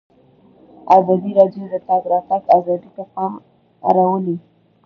ازادي راډیو د د تګ راتګ ازادي ته پام اړولی.